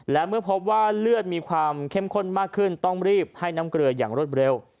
และเมื่อพบว่าเลือดมีความเข้มข้นมากขึ้นต้องรีบให้น้ำเกลืออย่างรวดเร็ว